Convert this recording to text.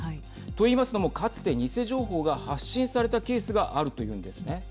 といいますのもかつて偽情報が発信されたケースがあるというんですね。